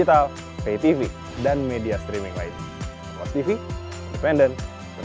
tadi pak luhut sudah ngomong